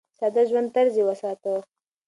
د ساده ژوند طرز يې وساته.